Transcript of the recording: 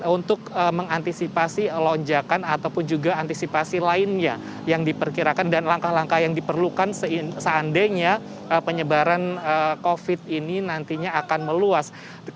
untuk mengantisipasi lonjakan ataupun juga antisipasi lainnya yang diperkirakan dan langkah langkah yang diperlukan seandainya penyebaran covid ini nantinya akan meluas